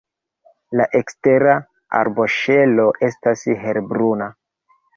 La ekstera arboŝelo estas helbruna.